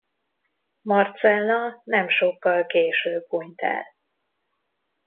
Marcella nem sokkal később hunyt el.